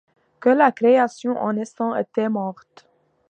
Que là création en-naissant était morte ;